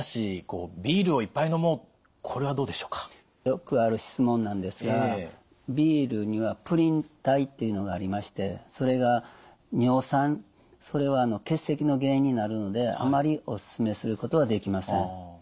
よくある質問なんですがビールにはプリン体というのがありましてそれが尿酸それは結石の原因になるのであまりおすすめすることはできません。